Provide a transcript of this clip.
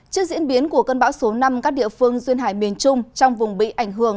trước diễn biến của cơn bão số năm các địa phương duyên hải miền trung trong vùng bị ảnh hưởng